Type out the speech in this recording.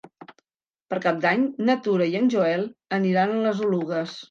Per Cap d'Any na Tura i en Joel aniran a les Oluges.